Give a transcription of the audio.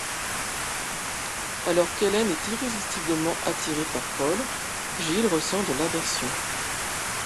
Alors qu'Ellen est irrésistiblement attirée par Paul, Jill ressent de l'aversion.